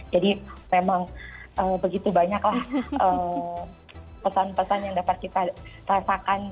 jadi memang begitu banyak pesan pesan yang dapat kita rasakan